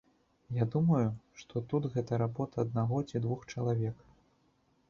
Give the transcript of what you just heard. Я думаю, што тут гэта работа аднаго ці двух чалавек.